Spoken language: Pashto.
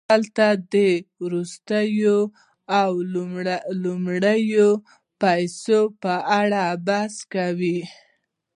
دلته د وروستیو او لومړنیو پیسو په اړه بحث کوو